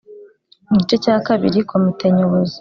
Igice cya kabiri komite nyobozi